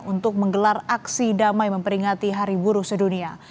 untuk menggelar aksi damai memperingati hari buruh sedunia